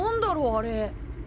あれ。